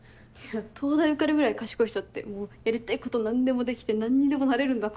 東大受かるぐらい賢い人ってやりたいこと何でもできて何にでもなれるんだと思ってた。